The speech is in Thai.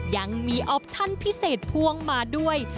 ยังมีออปชั่นพิเศษพ่วงมาด้วย